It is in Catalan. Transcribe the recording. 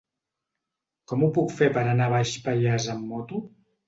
Com ho puc fer per anar a Baix Pallars amb moto?